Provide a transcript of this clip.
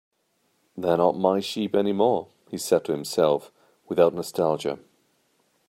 "They're not my sheep anymore," he said to himself, without nostalgia.